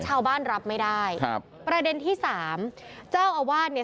ชาวบ้านรับไม่ได้ครับประเด็นที่สามเจ้าอาวาสเนี่ย